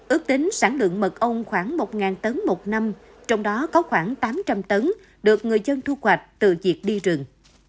ước tính sản lượng mật ong khoảng một tấn một năm trong đó có khoảng tám trăm linh tấn được người dân thu hoạch từ việc đi rừng